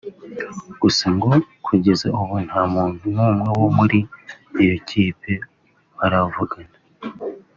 gusa ngo kugeza ubu nta muntu n’umwe wo muri iyo kipe baravugana